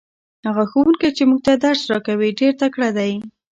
هغه ښوونکی چې موږ ته درس راکوي ډېر تکړه دی.